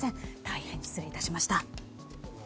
大変失礼致しました。